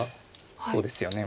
そうですよね。